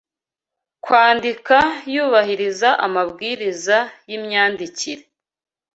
Kwandika yubahiriza amabwiriza y’imyandikire